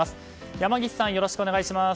山岸さん、よろしくお願いします。